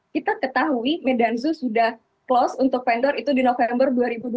kita ketahui medan zoo sudah close untuk vendor itu di november dua ribu dua puluh